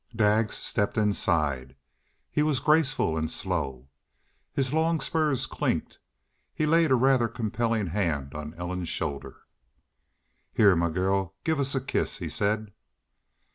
Daggs stepped inside. He was graceful and slow. His long' spurs clinked. He laid a rather compelling hand on Ellen's shoulder. "Heah, mah gal, give us a kiss," he said.